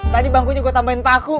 tadi bangkunya gue tambahin paku